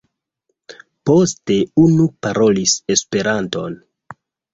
Poste unu parolis Esperanton.